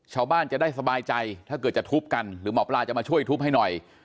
ชาวบ้านจะได้สบายใจถ้าเกิดจะทุบกันหรือหมอปลาจะมาช่วยทุบให้หน่อย